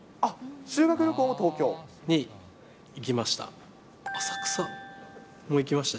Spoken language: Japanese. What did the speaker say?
修学旅行が東京。に行きました。